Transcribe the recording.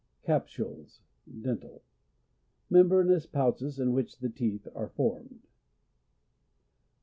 Capsules, ( Dental, )— Membranous pouches in which the teeth are formed.